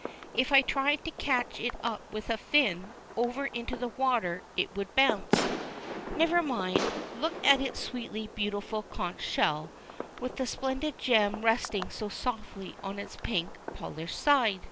If I tried to catch it up with a fin, over into the water it would bounce. Never mind. Look at the sweetly beautiful conch shell, with the splendid gem resting so softly on its pink, polished side.